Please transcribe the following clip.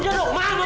aku gak capek